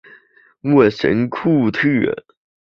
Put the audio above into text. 沃什库特。